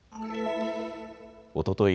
おととい